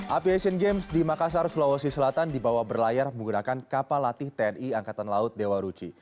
api asian games di makassar sulawesi selatan dibawa berlayar menggunakan kapal latih tni angkatan laut dewa ruci